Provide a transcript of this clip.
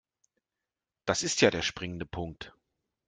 Das ist ja der springende Punkt.